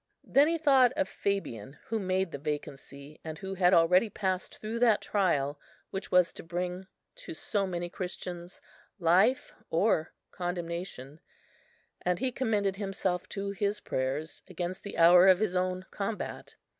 Then he thought of Fabian, who made the vacancy, and who had already passed through that trial which was to bring to so many Christians life or condemnation, and he commended himself to his prayers against the hour of his own combat.